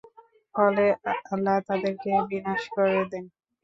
ফলে আল্লাহ তাদেরকে বিনাশ করে দেন।